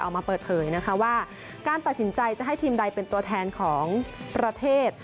ออกมาเปิดเผยนะคะว่าการตัดสินใจจะให้ทีมใดเป็นตัวแทนของประเทศ